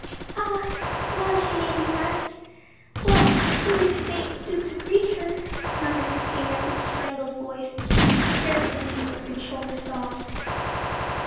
"Ah! well may she be blessed—well may the saints stoop to greet her," murmured Christina, with strangled voice, scarcely able to control her sobs.